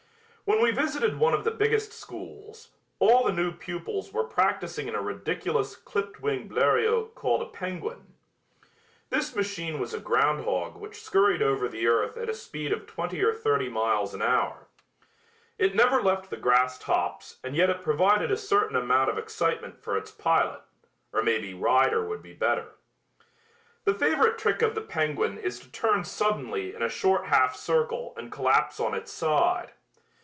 When we visited one of the biggest schools, all the new pupils were practicing in a ridiculous clipped wing Bleriot called a penguin. This machine was a groundhog which scurried over the earth at a speed of twenty or thirty miles an hour. It never left the grass tops and yet it provided a certain amount of excitement for its pilot, or maybe rider would be better. The favorite trick of the penguin is to turn suddenly in a short half circle and collapse on its side.